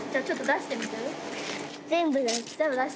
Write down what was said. ちょっと出してみる？